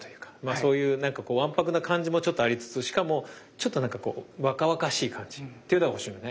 そういうなんかこうわんぱくな感じもちょっとありつつしかもちょっとなんかこう若々しい感じっていうのが面白いよね。